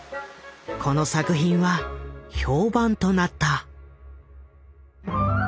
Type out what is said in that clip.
この作品は評判となった。